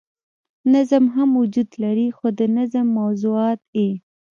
نظم هم وجود لري خو د نظم موضوعات ئې